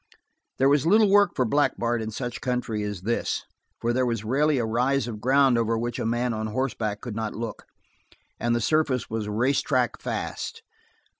There was little work for Black Bart in such country as this, for there was rarely a rise of ground over which a man on horseback could not look, and the surface was race track fast.